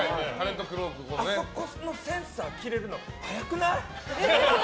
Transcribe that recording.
あそこのセンサー切れるの早くない？